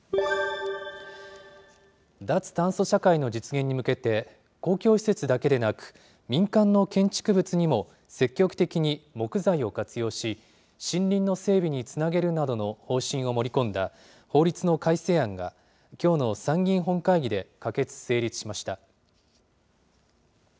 脱炭素社会の実現に向けて、公共施設だけでなく、民間の建築物にも積極的に木材を活用し、森林の整備につなげるなどの方針を盛り込んだ法律の改正案が、きょうの参議院本会議で可決・成立しました。